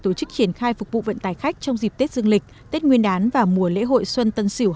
tổ chức triển khai phục vụ vận tải khách trong dịp tết dương lịch tết nguyên đán và mùa lễ hội xuân tân sỉu hai nghìn hai mươi một